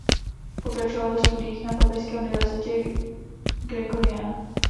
Pokračoval ve studiích na papežské univerzitě Gregoriana.